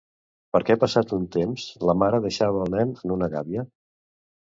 Per què passat un temps la mare deixava el nen en una gàbia?